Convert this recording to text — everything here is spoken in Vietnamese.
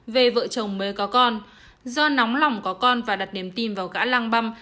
về vợ chồng mới có con do nóng lòng có con và đặt niềm tin vào gã lang băm